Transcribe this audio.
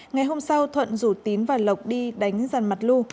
ngày hôm sau thuận rủ tín và lộc đi đánh dần mặt lu